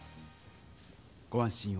ご安心を。